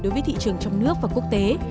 đối với thị trường trong nước và quốc tế